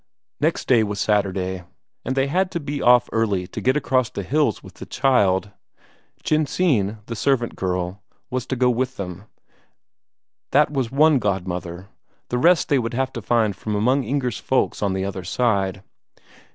Next day was Saturday, and they had to be off early to get across the hills with the child. Jensine, the servant girl, was to go with them; that was one godmother, the rest they would have to find from among Inger's folk on the other side.